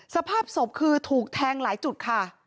สภาพศพคือถูกแทงหลายจุดค่ะ